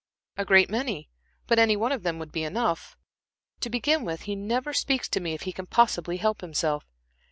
"A great many, but any one of them would be enough. To begin with, he never speaks to me if he can possibly help himself.